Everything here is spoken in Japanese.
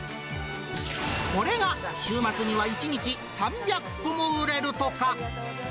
これが週末には１日３００個も売れるとか。